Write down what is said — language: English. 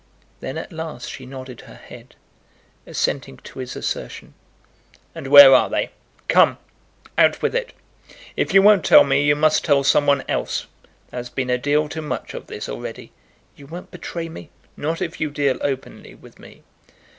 Then at last she nodded her head, assenting to his assertion. "And where are they? Come; out with it! If you won't tell me, you must tell some one else. There has been a deal too much of this already." "You won't betray me?" "Not if you deal openly with me."